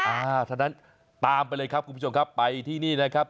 ฉะนั้นตามไปเลยครับคุณผู้ชมครับไปที่นี่นะครับ